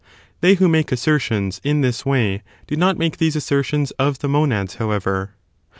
They who make assertions in this way do not make these assertions of the monads however.